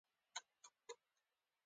پر پوله کښېناست.